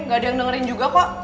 gak ada yang dengerin juga kok